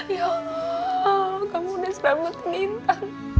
ya allah kamu udah selama itu minta